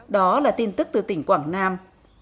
đó là tin tức từ tỉnh quảng nam